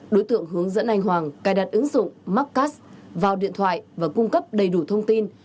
đối tượng hướng dẫn anh hoàng cài đặt ứng dụng marccast vào điện thoại và cung cấp đầy đủ thông tin